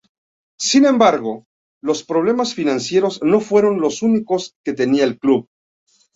Sin embargo, los problemas financieros no fueron los únicos que tenía el club.